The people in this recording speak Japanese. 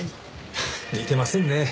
いや似てませんね。